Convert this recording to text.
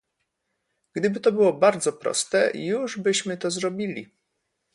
Gdyby to było bardzo proste, już byśmy to zrobili